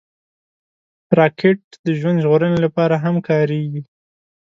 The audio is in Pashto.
راکټ د ژوند ژغورنې لپاره هم کارېږي